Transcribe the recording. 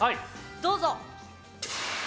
どうぞ！